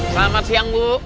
selamat siang bu